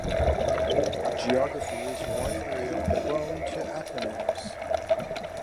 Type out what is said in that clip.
Geography is one area prone to acronyms.